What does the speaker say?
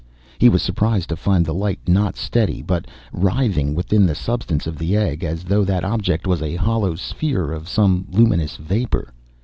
He was surprised to find the light not steady, but writhing within the substance of the egg, as though that object was a hollow sphere of some luminous vapour.